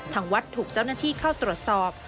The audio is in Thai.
ทางวัดถูกเจ้าหน้าที่เข้าตรวจสอบ